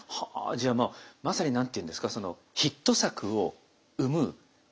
じゃあまあまさに何て言うんですかヒット作を生む手助けをすると。